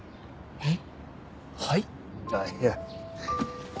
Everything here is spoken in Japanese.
えっ？